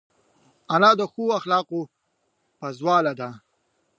انا د ښو اخلاقو پازواله ده